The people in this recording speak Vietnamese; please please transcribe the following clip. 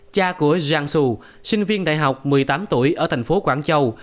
cha của zhang su sinh viên đại học một mươi tám tuổi ở thành phố quảng châu